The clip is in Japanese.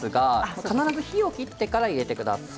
必ず火を切ってから入れてください。